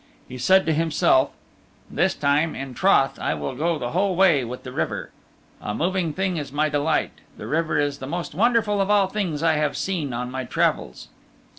He said to himself, "This time, in troth, I will go the whole way with the river. A moving thing is my delight. The river is the most wonderful of all the things I have seen on my travels."